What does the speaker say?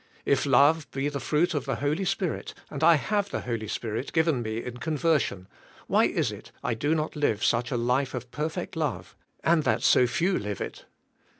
If love be the fruit of the Holy Spirit and I have the Holy Spirit g iven me in conversion, why is it I do not live such a life of perfect love, and that so few live it?'